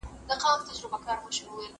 ايا موږ له يونليکونو څخه زده کړه کوو؟